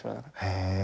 へえ。